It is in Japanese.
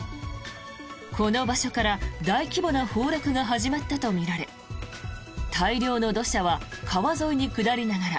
この場所から大規模な崩落が始まったとみられ大量の土砂は川沿いに下りながら